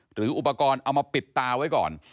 หรืออุปกรณ์เอามาปิดตาไว้ก่อน